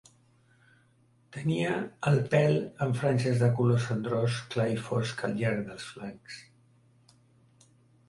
Tenia el pèl amb franges de color cendrós clar i fosc al llarg dels flancs.